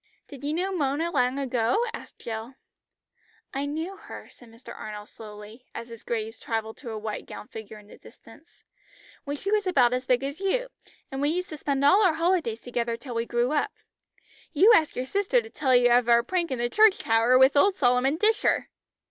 "Did you know Mona long ago?" asked Jill. "I knew her," said Mr. Arnold slowly, as his gaze travelled to a white gowned figure in the distance, "when she was about as big as you, and we used to spend all our holidays together till we grew up. You ask your sister to tell you of our prank in the church tower with old Solomon Disher!"